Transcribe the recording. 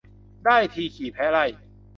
ได้ทีขี่แพะไล่